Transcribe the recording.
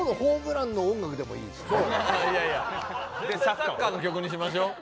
サッカーの曲にしましょう。